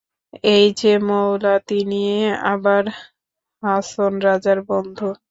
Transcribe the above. এই যে 'মৌলা' তিনিই আবার হাছন রাজার বন্ধু।